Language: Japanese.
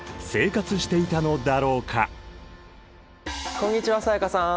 こんにちは才加さん！